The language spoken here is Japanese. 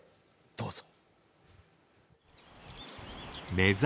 どうぞ。